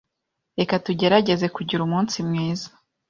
Reka tugerageze kugira umunsi mwiza.